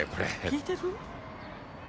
聞いてる？